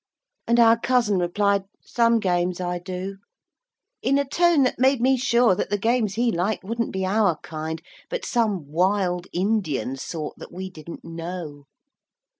] And our cousin replied, 'Some games I do,' in a tone that made me sure that the games he liked wouldn't be our kind, but some wild Indian sort that we didn't know.